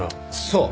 そう。